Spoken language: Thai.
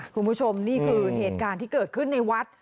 คุณผู้ชมนี่คือเหตุการณ์ที่เกิดขึ้นในวัด